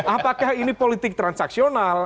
apakah ini politik transaksional